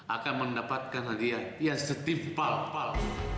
akan mendapatkan hadiah yang setimpal pal